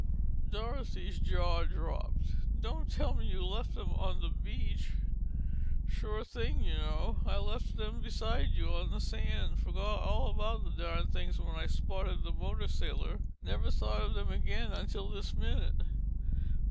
Dorothy's jaw dropped. "Don't tell me you left them on the beach!" "Surest thing you know. I left them beside you on the sand and forgot all about the darn things when I spotted the motor sailor. Never thought of them again until this minute!"